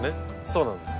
そうなんです。